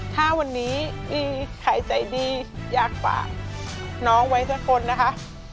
ถ้าวันนี้อีใครใจดีอยากฝากน้องไว้สักคนนะคะ